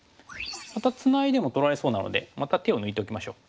またツナいでも取られそうなのでまた手を抜いておきましょう。